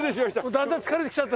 だんだん疲れてきちゃった。